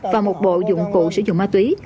và một bộ dụng cụ sử dụng ma túy